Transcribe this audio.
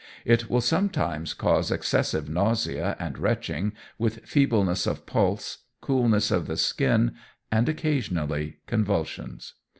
It will sometimes cause excessive nausea and retching, with feebleness of pulse, coolness of the skin, and occasionally convulsions.